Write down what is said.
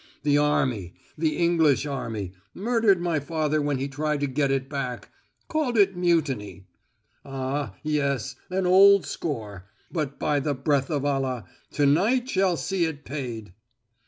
The army the English army murdered my father when he tried to get it back called it mutiny. Ah, yes, an old score; but by the breath of Allah, to night shall see it paid!"